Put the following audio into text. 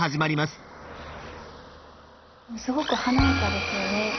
すごく華やかですよね美しくて。